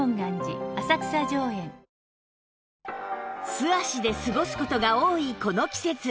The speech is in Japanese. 素足で過ごす事が多いこの季節